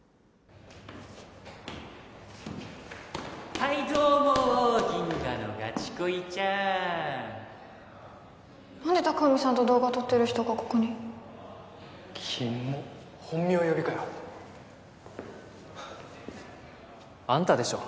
はいどうもギンガのガチ恋ちゃんなんで隆文さんと動画撮ってる人がここにきもっ本名呼びかよあんたでしょ